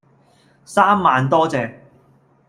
三萬多謝